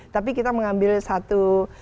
tapi kita mengambil satu